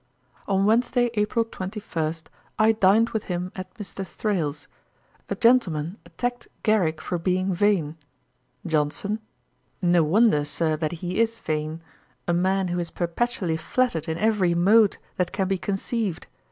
On Wednesday, April 21, I dined with him at Mr. Thrale's. A gentleman attacked Garrick for being vain. JOHNSON. 'No wonder, Sir, that he is vain; a man who is perpetually flattered in every mode that can be conceived.